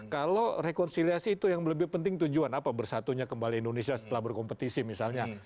kalau rekonsiliasi itu yang lebih penting tujuan apa bersatunya kembali indonesia setelah berkompetisi misalnya